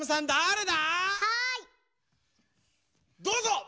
どうぞ！